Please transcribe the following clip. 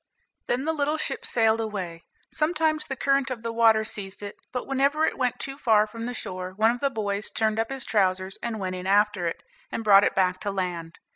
Then the little ship sailed away; sometimes the current of the water seized it, but whenever it went too far from the shore one of the boys turned up his trousers, and went in after it, and brought it back to land.